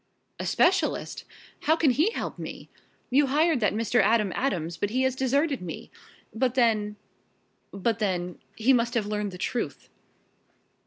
"A specialist? How can he help me? You hired that Mr. Adam Adams but he has deserted me. But then but then he must have learned the truth!"